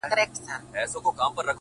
هغه مئین خپل هر ناهیلي پل ته رنگ ورکوي؛